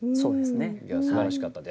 すばらしかったです。